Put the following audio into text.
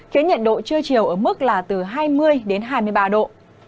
khiến nhiệt độ trưa chiều ở mức là từ hai mươi đến hai mươi ba độ